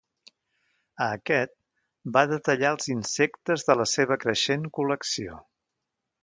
A aquest, va detallar els insectes de la seva creixent col·lecció.